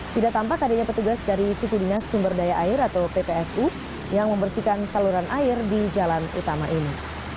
tidak tampak adanya petugas dari suku dinas sumber daya air atau ppsu yang membersihkan saluran air di jalan utama ini